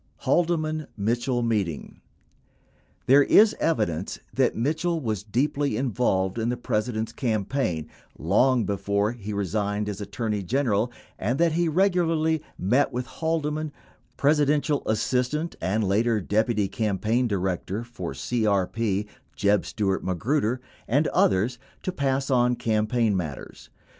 HAEDEMAN MITCHELE MEETING There is evidence that Mitchell was deeply involved in the Presi dent's campaign long before he resigned as Attorney General, and that he regularly met with Haldeman, Presidential assistant (and later deputy campaign director for CRP) Jeb Stuart Magruder and others to pass on campaign matters.